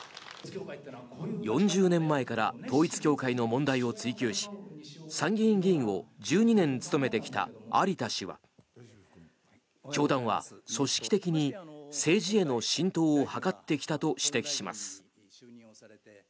４０年前から統一教会の問題を追及し参議院議員を１２年務めてきた有田氏は教団は組織的に政治への浸透を図ってきたと指摘します。